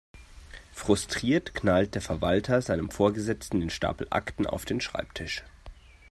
Frustriert knallt der Verwalter seinem Vorgesetzten den Stapel Akten auf den Schreibtisch.